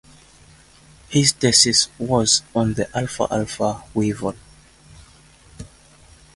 His thesis was on the alfalfa weevil.